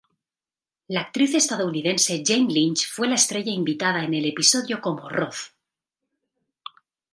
La actriz estadounidense Jane Lynch fue la estrella invitada en el episodio como Roz.